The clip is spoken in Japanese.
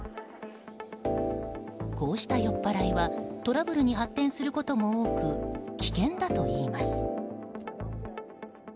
こうした酔っ払いはトラブルに発展することも多く危険だといいます。